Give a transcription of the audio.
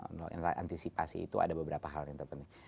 untuk antisipasi itu ada beberapa hal yang terpenting